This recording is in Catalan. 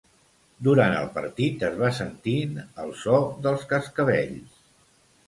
Durant el partit es va sentint el so dels cascavells.